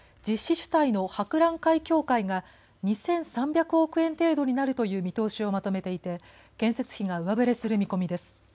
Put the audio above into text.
主体の博覧会協会が２３００億円程度になるという見通しをまとめていて建設費が上振れする見込みです。